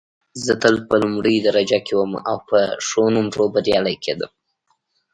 زه تل په لومړۍ درجه کې وم او په ښو نومرو بریالۍ کېدم